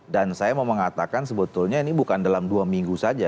dan saya mau mengatakan sebetulnya ini bukan dalam dua minggu saja